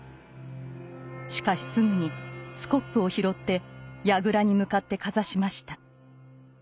しかしすぐにスコップを拾ってやぐらに向かってかざしました。